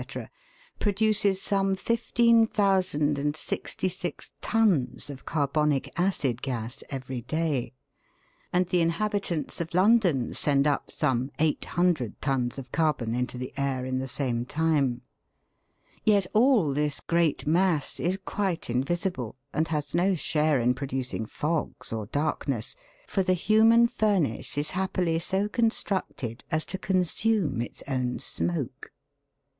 produces some 15,066 tons of carbonic acid gas every day; and the inhabi tants of London send up some 800 tons of carbon into the air, in the same time. Yet all this great mass is quite in visible and has no share in producing fogs or darkness, for the human furnace is happily so constructed as to consume its own smoke.